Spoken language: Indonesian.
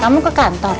kamu ke kantor